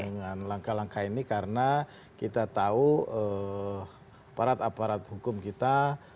dengan langkah langkah ini karena kita tahu aparat aparat hukum kita